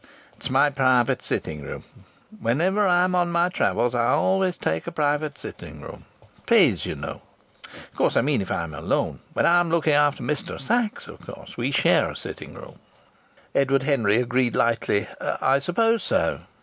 "It's my private sitting room. Whenever I am on my travels I always take a private sitting room. It pays, you know.... Of course I mean if I'm alone. When I'm looking after Mr. Sachs, of course we share a sitting room." Edward Henry agreed lightly: "I suppose so."